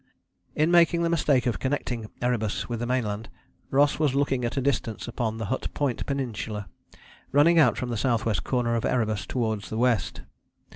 In making the mistake of connecting Erebus with the mainland Ross was looking at a distance upon the Hut Point Peninsula running out from the S.W. corner of Erebus towards the west.